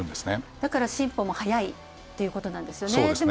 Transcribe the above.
だから、進歩も早いということなんですね。